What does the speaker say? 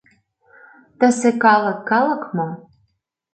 Тысе калык — калык мо?